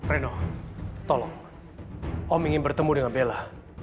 reno tolong om ingin bertemu dengan bella